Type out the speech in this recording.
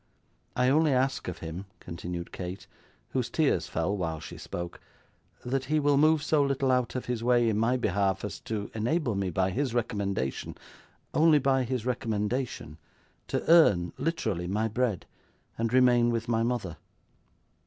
'I only ask of him,' continued Kate, whose tears fell while she spoke, 'that he will move so little out of his way, in my behalf, as to enable me by his recommendation only by his recommendation to earn, literally, my bread and remain with my mother.